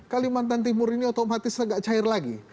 kalimantan timur ini otomatis agak cair lagi